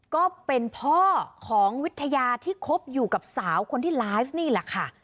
ก็เป็นพ่อของวิทยาที่คบอยู่กับสาวคนที่ไลฟ์นี่แหละค่ะ